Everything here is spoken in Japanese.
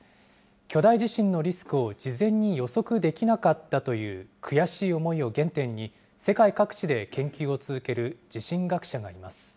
巨大地震のリスクを事前に予測できなかったという悔しい思いを原点に、世界各地で研究を続ける地震学者がいます。